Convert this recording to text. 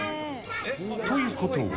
ということは。